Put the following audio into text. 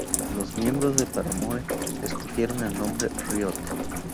Los miembros de Paramore escogieron el nombre "Riot!